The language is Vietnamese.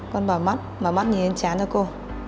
con bảo mắt bảo mắt nhìn đến chán cho cô